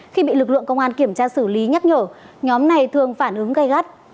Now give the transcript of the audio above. khi bị lực lượng công an kiểm tra xử lý nhắc nhở nhóm này thường phản ứng gây gắt